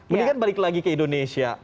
mendingan balik lagi ke indonesia